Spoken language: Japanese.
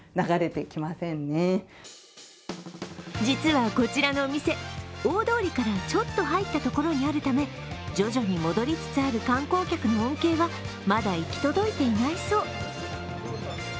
実はこちらのお店大通りからちょっと入ったところにあるため徐々に戻りつつある観光客の恩恵はまだ行き届いていないそう。